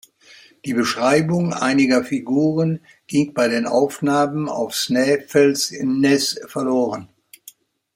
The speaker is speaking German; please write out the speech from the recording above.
Die Beschreibungen einiger Figuren ging bei den Aufnahmen auf Snæfellsnes verloren.